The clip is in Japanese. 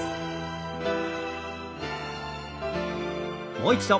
もう一度。